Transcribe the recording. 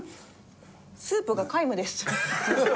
スープが皆無です。